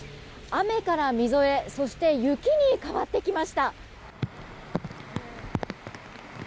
雨からみぞれそして雪に変わってきました。